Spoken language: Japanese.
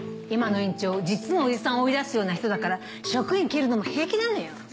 今の院長実の叔父さんを追い出すような人だから職員切るのも平気なのよ。